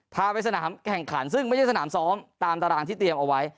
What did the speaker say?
พาไปสนามแข่งขันซึ่งไม่ใช่สนามซ้อมตามตารางที่เตรียมเอาไว้